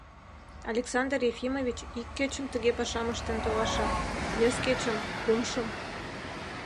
Александр Ефимович ик кечым тыге пашам ыштен толаша, вес кечым, кумшым.